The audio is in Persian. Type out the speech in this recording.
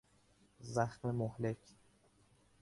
زخم مهلک